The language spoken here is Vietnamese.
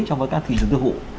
trong các thị trường tư hụt